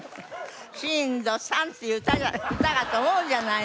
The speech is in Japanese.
「震度３」っていう歌があったかと思うじゃないの。